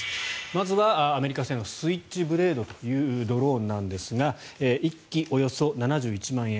まずはアメリカ製のスイッチブレードというドローンなんですが１機およそ７１万円。